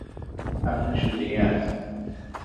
আপনি শ্যুটিং-এ আছেন!